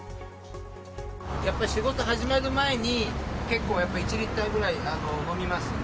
やっぱり仕事始まる前に、結構やっぱり１リッターぐらい飲みます。